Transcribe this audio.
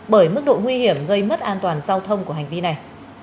bởi mức độ nguy hiểm gây mất an toàn giao thông của hành vi này